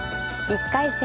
１回戦